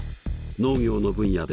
農業分野で！？